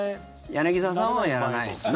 柳澤さんはやらないですね。